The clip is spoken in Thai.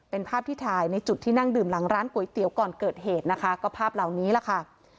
เป็นภาพที่ถ่ายในจุดที่นั่งดื่มหลังร้านก๋วยเตี๋ยวก่อนเกิดเหตุนะคะก็ภาพเหล่านี้แหละค่ะ